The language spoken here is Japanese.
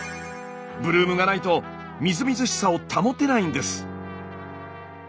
ブルームがないとみずみずしさを保てないんです。